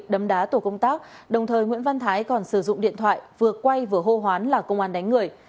đấm đá tổ công tác đồng thời nguyễn văn thái còn sử dụng điện thoại vừa quay vừa hô hoán là công an đánh người